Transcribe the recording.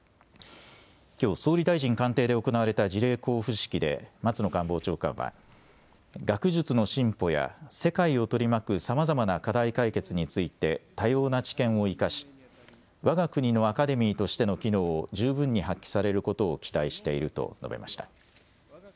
きょう総理大臣官邸で行われた辞令交付式で松野官房長官は、学術の進歩や世界を取り巻くさまざまな課題解決について多様な知見を生かし、わが国のアカデミーとしての機能を十分に発揮されることを期待していると述べました。